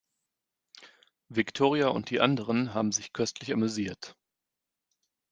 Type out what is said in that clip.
Viktoria und die anderen haben sich köstlich amüsiert.